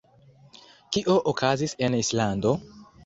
Kio okazis en Islando?